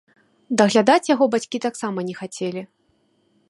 Даглядаць яго бацькі таксама не хацелі.